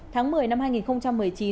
tháng một mươi năm hai nghìn một mươi chín